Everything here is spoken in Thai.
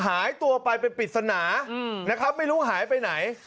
หายตัวไปเป็นปริศนานะครับไม่รู้หายไปไหน